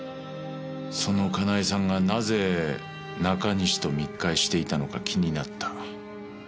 その香奈恵さんがなぜ中西と密会していたのか気になった。